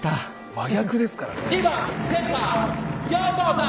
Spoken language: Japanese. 真逆ですからね。